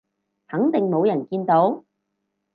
肯定冇人見到？